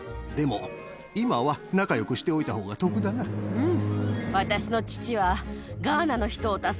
うん！